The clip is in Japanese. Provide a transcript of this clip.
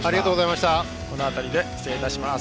この辺りで失礼いたします。